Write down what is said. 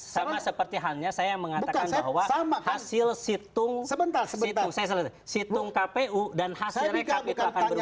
sama seperti hanya saya yang mengatakan bahwa hasil situng kpu dan hasilnya kpu akan berbeda